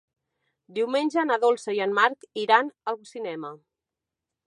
Diumenge na Dolça i en Marc iran al cinema.